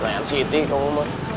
sensi itu ya